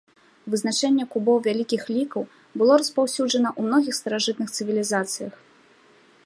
Вызначэнне кубоў вялікіх лікаў было распаўсюджана ў многіх старажытных цывілізацыях.